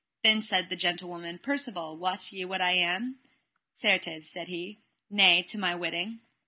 Then said the gentlewoman: Percivale, wot ye what I am? Certes, said he, nay, to my witting.